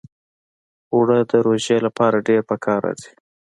اوړه د روژې لپاره ډېر پکار راځي